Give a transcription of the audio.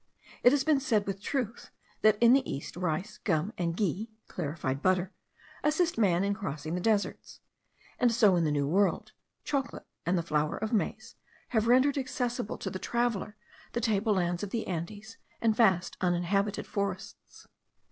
It has been said with truth, that in the East, rice, gum, and ghee (clarified butter), assist man in crossing the deserts; and so, in the New World, chocolate and the flour of maize, have rendered accessible to the traveller the table lands of the Andes, and vast uninhabited forests.